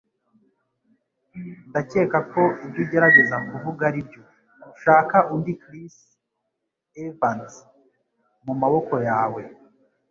Ndakeka ko ibyo ugerageza kuvuga aribyo, ntushaka undi Chris Evans mumaboko yawe.